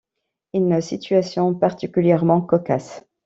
Une situation particulièrement cocasse…